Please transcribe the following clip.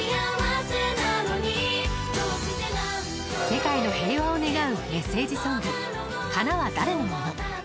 世界の平和を願うメッセージソング花は誰のもの？